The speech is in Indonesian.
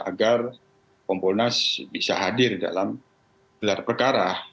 agar kompolnas bisa hadir dalam gelar perkara